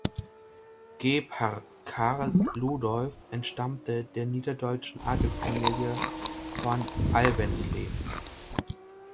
Gebhard Karl Ludolf entstammte der niederdeutschen Adelsfamilie von Alvensleben.